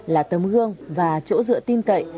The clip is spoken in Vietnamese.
là tấm gương và chỗ dựa tin cậy